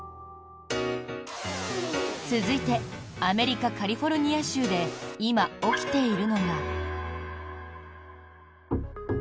続いてアメリカ・カリフォルニア州で今、起きているのが。